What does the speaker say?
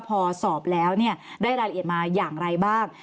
พอสอบแล้วได้รายละเอียดมาอย่างไรบ้าง